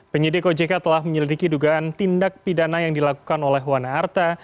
penyidik ojk telah menyelidiki dugaan tindak pidana yang dilakukan oleh wana arta